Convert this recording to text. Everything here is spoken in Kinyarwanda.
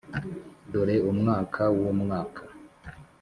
'dore umwaka wumwaka.